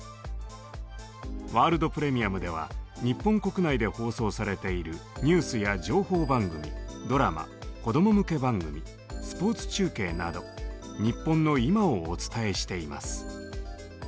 「ワールド・プレミアム」では日本国内で放送されているニュースや情報番組ドラマ子供向け番組スポーツ中継など日本の今をお伝えしています。